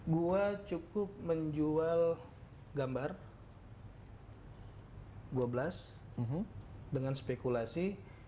gue cukup menjual gambar dua belas dengan spekulasi